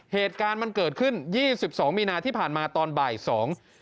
เหตุการณ์มันเกิดขึ้นยี่สิบสองมีนาที่ผ่านมาตอนบ่ายสอง